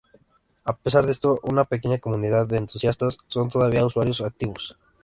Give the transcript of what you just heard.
A pesar de esto, una pequeña comunidad de entusiastas son todavía usuarios activos.